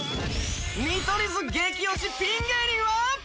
見取り図激推しピン芸人は？